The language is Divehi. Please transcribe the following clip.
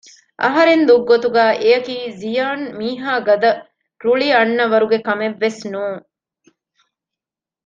އަހަރެން ދުށްގޮތުގައި އެޔަކީ ޒިޔާން މިހާ ގަދަ ރުޅިއެއް އަންނަ ވަރުގެ ކަމެއް ވެސް ނޫން